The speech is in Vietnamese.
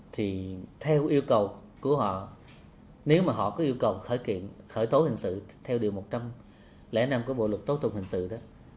thì theo yêu cầu của họ nếu mà họ có yêu cầu khởi kiện khởi tố hình sự theo điều một trăm linh năm của bộ luật tố tụng hình sự đó